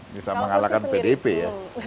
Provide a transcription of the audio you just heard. bisa mengalahkan pdp ya